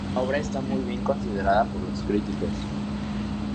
La obra está muy bien considerada por los críticos.